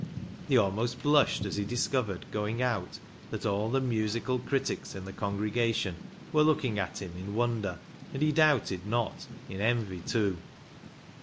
He almost blushed as he discovered going out that all the ISAAC'S ANGEL 257 musical critics in the congregation were looking at him in wonder, and, he doubted not, in envy too.